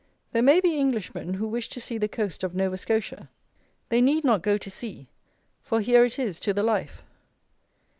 There may be Englishmen who wish to see the coast of Nova Scotia. They need not go to sea; for here it is to the life.